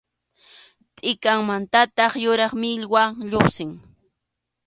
Tʼikanmantataq yuraq millwa lluqsin.